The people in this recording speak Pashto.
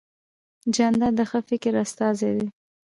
جانداد د ښه فکر استازی دی.